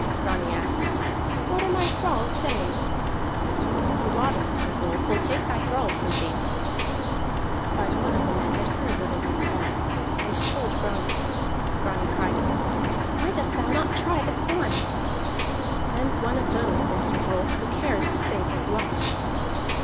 Grani asked: "What are my thralls saying?" "The water," said Rolf, "will take thy thralls from thee." But one of the men had heard what had been said, and told Grani. Grani cried: "Why dost thou not try the climb?" "Send one of those," answered Rolf, "who cares to save his life."